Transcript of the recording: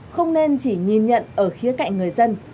không nên chỉ nhìn nhận ở khía cạnh người dân